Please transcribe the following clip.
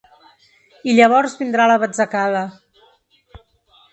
I llavors vindrà la batzacada.